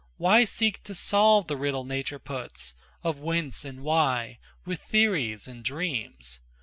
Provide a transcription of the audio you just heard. Why seek to solve the riddle nature puts, Of whence and why, with theories and dreams?